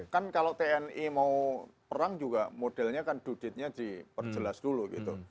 kan kalau tni mau perang juga modelnya kan due date nya diperjelas dulu